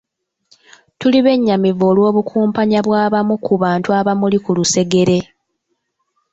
Tuli bennyamivu olw’obukumpanya bw’abamu ku bantu abamuli ku lusegere.